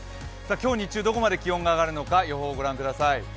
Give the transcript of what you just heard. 今日日中、どこまで気温が上がるのかご覧ください。